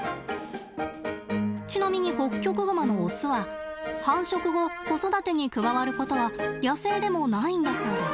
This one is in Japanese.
ちなみにホッキョクグマのオスは繁殖後子育てに加わることは野生でもないんだそうです。